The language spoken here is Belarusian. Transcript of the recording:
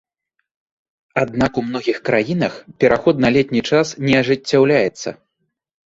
Аднак у многіх краінах пераход на летні час не ажыццяўляецца.